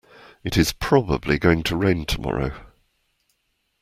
It is probably going to rain tomorrow.